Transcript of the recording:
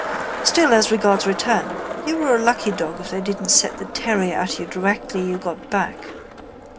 Still as regards return. You were a lucky dog if they didn't set the terrier at you directly you got back.